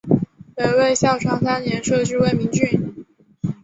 北魏孝昌三年设置魏明郡。